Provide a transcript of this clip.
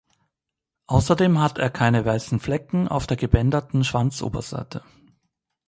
Außerdem hat er keine weißen Flecken auf der gebänderten Schwanzoberseite.